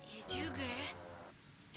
iya juga ya